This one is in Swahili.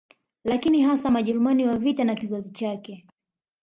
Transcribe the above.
Lakini hasa majeruhi wa vita na kizazi chake